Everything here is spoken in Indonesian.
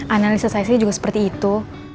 analisa saya sih juga seperti itu